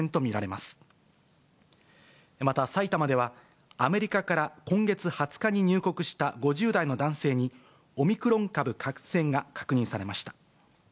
また埼玉では、アメリカから今月２０日に入国した５０代の男性に、オミクロン株感染が確認されました。